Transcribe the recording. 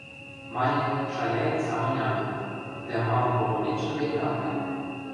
Мане, шаяэт самынь агыл, дӓ малын попыметшӹм веле ам пӓлӹ...